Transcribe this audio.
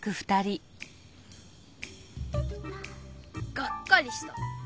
がっかりした！